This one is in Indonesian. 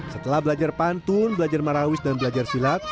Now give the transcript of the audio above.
setelah belajar pantun belajar marawis dan belajar silat